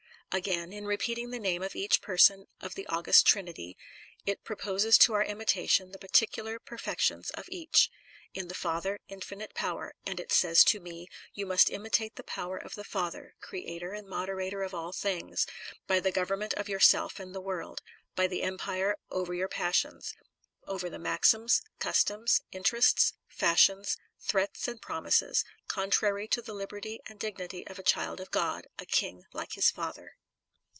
Again, in repeating the name of each per son of the august Trinity, it proposes to our imitation the particular perfections of each. In the Father, infinite power, and it says to me : You must imitate the power of the Father, Creator and Moderator of all things, by the government of yourself and the world; by the empire over your passions, over the maxims, customs, interests, fashions, threats and promises, contrary to the liberty and dignity of a child of God, a king like his Father.